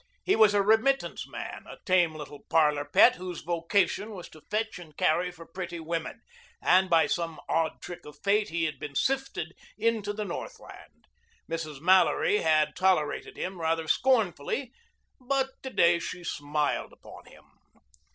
He was a remittance man, a tame little parlor pet whose vocation was to fetch and carry for pretty women, and by some odd trick of fate he had been sifted into the Northland. Mrs. Mallory had tolerated him rather scornfully, but to day she smiled upon him.